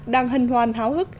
đang hân hoan háo hức